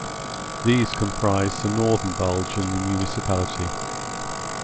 These comprise the northern bulge in the municipality.